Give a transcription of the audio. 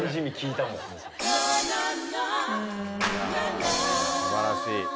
［いやすばらしい］